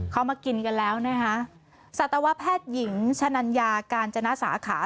เขามากินกันแล้วนะคะสัตวแพทย์หญิงชะนัญญากาญจนสาขา